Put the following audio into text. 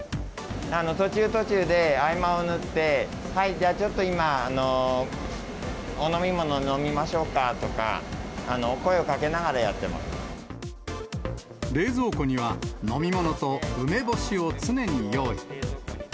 途中途中で、合間を縫って、はい、じゃあちょっと今、お飲み物飲みましょうかとか、冷蔵庫には、飲み物と梅干しを常に用意。